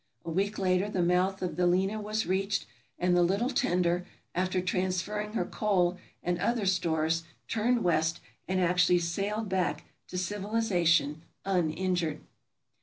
A week later the mouth of the Lena was reached, and the little tender, after transferring her coal and other stores, turned west, and actually sailed back to civilization uninjured.